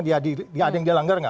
di ada yang dilanggar gak